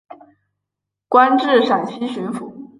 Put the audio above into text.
官至陕西巡抚。